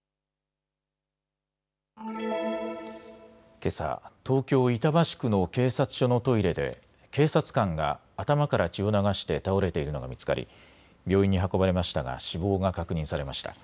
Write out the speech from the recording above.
けさ東京板橋区の警察署のトイレで警察官が頭から血を流して倒れているのが見つかり病院に運ばれましたが死亡が確認されました。